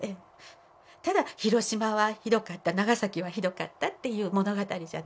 ただ広島はひどかった長崎はひどかったっていう物語じゃないところがね